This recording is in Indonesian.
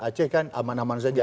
aceh kan aman aman saja